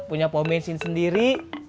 punya pomensin sendiri